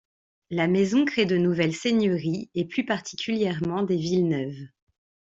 La maison crée de nouvelles seigneuries et plus particulièrement des villeneuves.